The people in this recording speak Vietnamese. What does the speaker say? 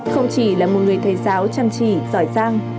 không chỉ là một người thầy giáo chăm chỉ giỏi giang